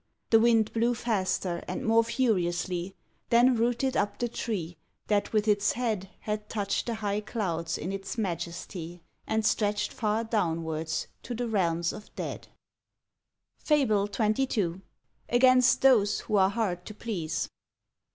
The wind blew faster, and more furiously, Then rooted up the tree that with its head Had touched the high clouds in its majesty, And stretched far downwards to the realms of dead. FABLE XXII. AGAINST THOSE WHO ARE HARD TO PLEASE.